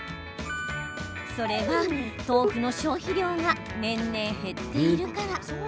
それは、豆腐の消費量が年々減っているから。